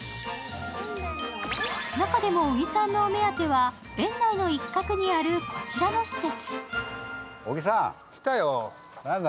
中でも小木さんのお目当ては園内の一角にある、こちらの施設。